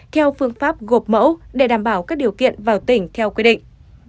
theo phương pháp gộp mẫu để đảm bảo các điều kiện vào tỉnh theo quy định